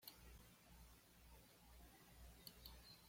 Cuando la hacen estallar, se rompe en pedazos sellados.